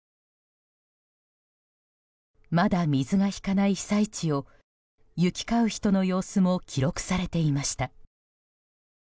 まだ水が引かない被災地を行き交う人の様子も記録されていました。